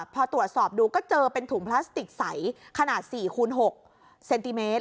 พอตรวจสอบดูก็เจอเป็นถุงพลาสติกใสขนาด๔คูณ๖เซนติเมตร